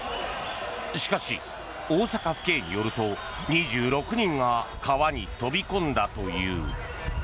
しかし、大阪府警によると２６人が川に飛び込んだという。